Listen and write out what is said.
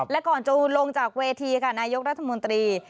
และก่อนจะลงจากเวทีค่ะนายกรัฐมนตรี